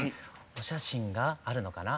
お写真があるのかな？